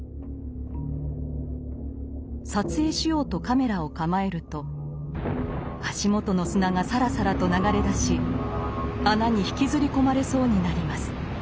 撮影しようとカメラを構えると足元の砂がサラサラと流れ出し穴に引きずり込まれそうになります。